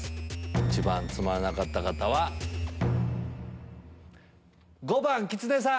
一番つまらなかった方は⁉５番キツネさん！